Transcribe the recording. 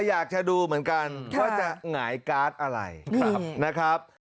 อยากจะดูเหมือนกันว่าจะหงายการ์ดอะไรนะครับ